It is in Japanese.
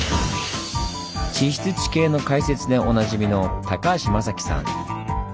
地質・地形の解説でおなじみの高橋雅紀さん。